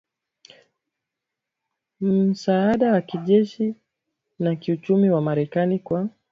msaada wa kijeshi na kiuchumi wa Marekani kwa